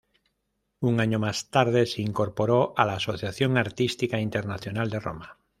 Un año más tarde se incorporó a la Asociación Artística Internacional de Roma.